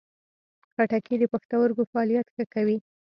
خټکی د پښتورګو فعالیت ښه کوي.